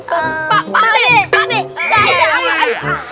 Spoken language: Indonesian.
ayolah nyuruh pak b